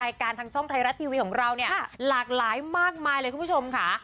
ทางช่องไทยรัฐทีวีของเราเนี่ยหลากหลายมากมายเลยคุณผู้ชมค่ะ